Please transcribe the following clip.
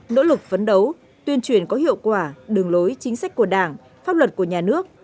nỗ lực phấn đấu tuyên truyền có hiệu quả đường lối chính sách của đảng pháp luật của nhà nước